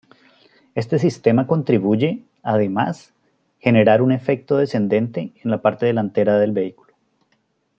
Este sistema contribuye, además, generar un efecto descendente en la parte delantera del vehículo.